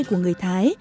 của người thái